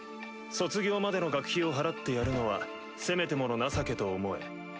「卒業までの学費を払ってやるのはせめてもの情けと思え」。